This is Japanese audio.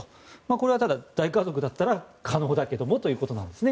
これはただ大家族だったら可能だけれどもということです。